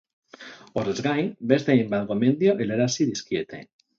Horrez gain, beste hainbat gomendio helarazi dizkiete.